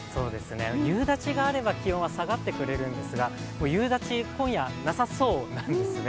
夕立があれば気温は下がってくれるんですが、夕立、今夜、なさそうなんですね。